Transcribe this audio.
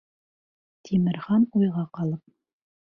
Тимерхан уйға ҡалып: